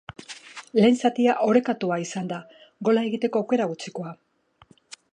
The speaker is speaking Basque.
Lehen zatia orekatua izan da, gola egiteko aukera gutxikoa.